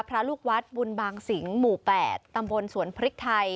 พระลูกวัดบุญบางสิงหมู่๘ตำบลสวนพริกไทย